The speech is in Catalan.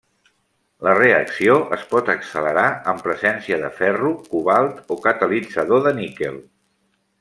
La reacció es pot accelerar en presència de ferro, cobalt o catalitzador de níquel.